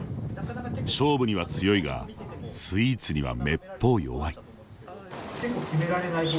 勝負には強いがスイーツにはめっぽう弱い。